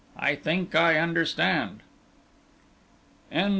"I think I understand."